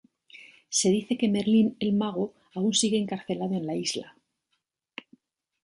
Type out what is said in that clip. Se dice que Merlín el Mago aún sigue encarcelado en la isla.